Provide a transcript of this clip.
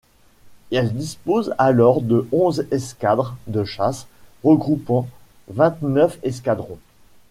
Elle dispose alors de onze escadres de chasse, regroupant vingt-neuf escadrons.